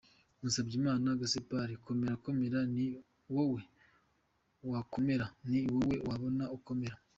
Musabyimana Gaspard: Komera komera ni wowe wakomera, ni wowe wabona ukomera.